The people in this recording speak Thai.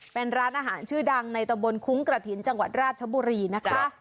เป็นร้านอาหารชื่อดังในตะบนคุ้งกระถิ่นจังหวัดราชบุรีนะคะ